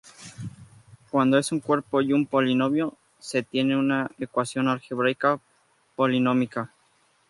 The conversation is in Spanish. Cuando es un cuerpo y un polinomio, se tiene una ecuación algebraica polinómica.